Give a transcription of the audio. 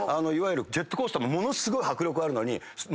ジェットコースターもものすごい迫力あるのに何百円。